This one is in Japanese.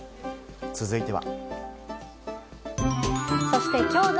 続いては。